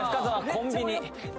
コンビニえ